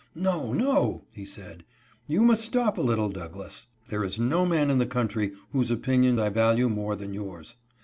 "No, no," he said, "you must stop a little, Douglass ; there is no man in the country whose opinion I value more than yours.